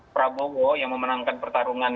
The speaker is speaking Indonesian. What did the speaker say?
prabowo yang memenangkan pertarungan